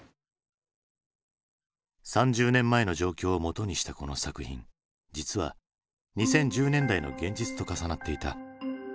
３０年前の状況をもとにしたこの作品実は２０１０年代の現実と重なっていた。